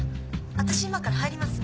私今から入ります。